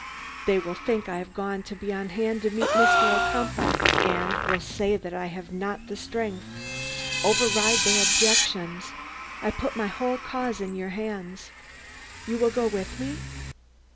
They will think I have gone to be on hand to meet Mr. Ocumpaugh, and will say that I have not the strength. Override their objections. I put my whole cause in your hands. You will go with me?"